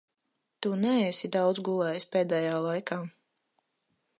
Tu neesi daudz gulējis pēdējā laikā.